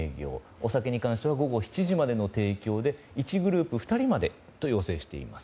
お酒に関しては午後７時までの提供で１グループ２人までと要請しています。